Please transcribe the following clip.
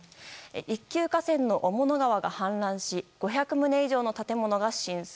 一級河川の雄物川が氾濫し５００棟以上の建物が浸水。